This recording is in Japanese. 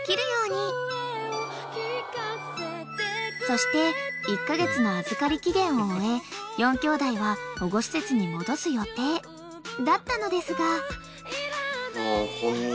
［そして１カ月の預かり期限を終え４兄弟は保護施設に戻す予定だったのですが］